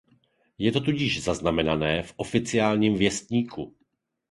Je to tudíž zaznamenané v oficiálním věstníku.